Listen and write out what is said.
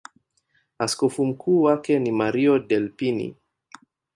Askofu mkuu wake ni Mario Delpini.